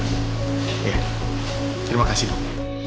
iya terima kasih dong